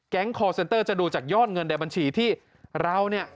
คอร์เซ็นเตอร์จะดูจากยอดเงินในบัญชีที่เราเนี่ย